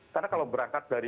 karena kalau berangkat dari